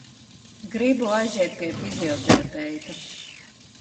Gribu aiziet pie fizioterapeita.